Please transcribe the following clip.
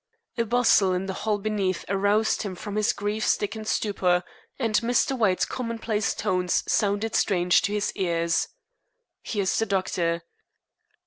A bustle in the hall beneath aroused him from his grief stricken stupor, and Mr. White's commonplace tones sounded strange to his ears. "Here's the doctor."